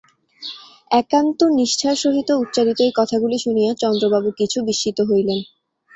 একান্ত নিষ্ঠার সহিত উচ্চারিত এই কথাগুলি শুনিয়া চন্দ্রবাবু কিছু বিস্মিত হইলেন।